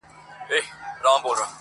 نوی منبر به جوړوو زاړه یادونه سوځو.!